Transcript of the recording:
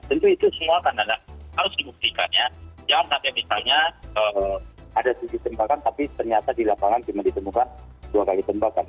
jangan sampai misalnya ada tujuh tembakan tapi ternyata di lapangan cuma ditemukan dua kali tembakan